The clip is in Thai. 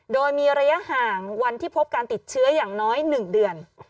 โดยมีระยะห่างวันที่พบการติดเชื้ออย่างน้อย๑เดือน